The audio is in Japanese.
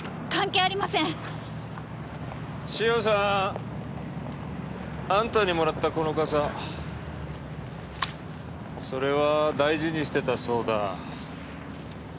塩さんあんたにもらったこの傘それは大事にしてたそうだ。